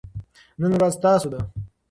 نن ورځ ستاسو ده.